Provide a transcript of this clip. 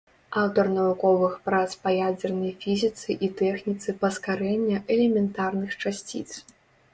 Аўтар навуковых прац па ядзернай фізіцы і тэхніцы паскарэння элементарных часціц.